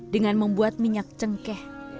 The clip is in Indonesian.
dengan membuat minyak cengkeh